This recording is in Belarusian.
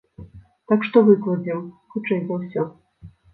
Так што выкладзем, хутчэй за ўсё.